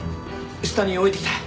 下に置いてきた。